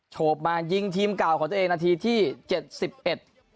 โฉบมายิงทีมเก่าของตัวเองนาทีที่เจ็ดสิบเอ็ด